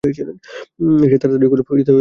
সে তাড়াতাড়ি কহিল, দেখো, আমি তোমাকে সত্য কথা বলব।